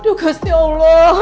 aduh kasih allah